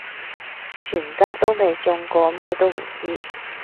全家都未中過咩都唔知